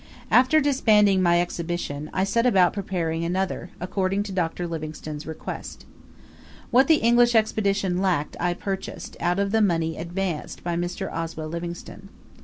After disbanding my Expedition, I set about preparing another, according to Dr. Livingstone's request. What the English Expedition lacked I purchased out of the money advanced by Mr. Oswell Livingstone.